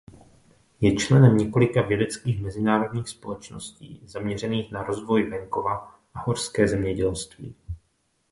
Je členem několika vědeckých mezinárodních společností zaměřených na rozvoj venkova a horské zemědělství.